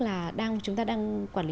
là chúng ta đang quản lý